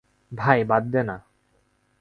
ভাই, বাদ দে না।